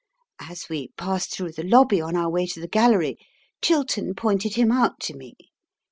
As we passed through the lobby on our way to the Gallery, Chiltern pointed him out to me.